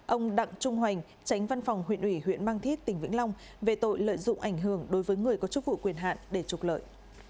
chín ông đặng trung hoành tránh văn phòng huyện ủy huyện mang thít tỉnh vĩnh long về tội lợi dụng ảnh hưởng đối với người có chức vụ quyền hạn để trục lợi